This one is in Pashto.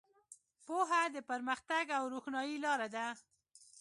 پوهه د پرمختګ او روښنایۍ لاره ده.